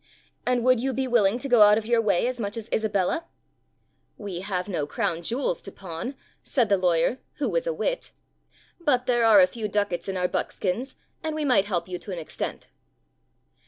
" And would you be willing to go out of your way as much as Isabella?" "We have no crown jewels to pawn," said the lawyer, who was a wit, "but there are a few ducats in our buckskins and we might help you to an extent."